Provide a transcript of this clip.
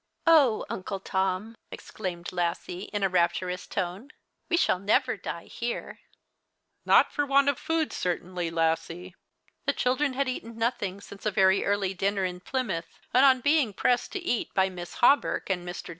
" Oh, Uncle Tom," exclaimed Lassie, in a rapturous tone, " we shall never die here." The Cheistmas Hirelings. 109 " Not for want of food certainly, Lassie." The cLildren had eaten nothing since a very early dinner in Plymouth, and on being pressed to eat by Miss Hawberk and ]\[r.